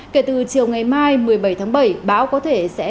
kể từ chiều ngày mai một mươi bảy tháng bảy bão có thể sẽ